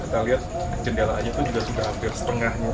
kita lihat jendelanya itu juga sudah hampir setengahnya